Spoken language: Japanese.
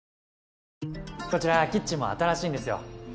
こちらキッチンも新しいんですよ。